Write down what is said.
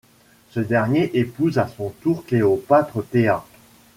Ce dernier épouse à son tour Cléopâtre Théa.